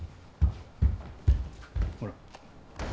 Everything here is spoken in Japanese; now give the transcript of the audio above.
ほら。